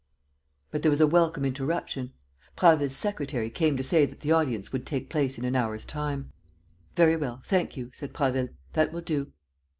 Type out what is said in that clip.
But there was a welcome interruption. Prasville's secretary came to say that the audience would take place in an hour's time. "Very well. Thank you," said Prasville. "That will do."